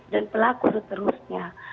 dan pelaku seterusnya